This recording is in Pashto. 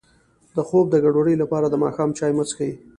د خوب د ګډوډۍ لپاره د ماښام چای مه څښئ